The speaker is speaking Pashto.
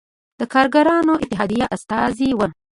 د کارګرانو اتحادیې استازی و.